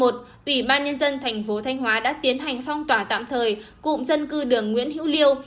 ủy ban nhân dân thành phố thanh hóa đã tiến hành phong tỏa tạm thời cụm dân cư đường nguyễn hữu liêu